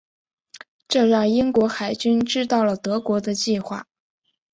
这让英国海军知道了德国的计划。